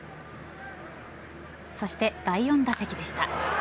そして第４打席でした。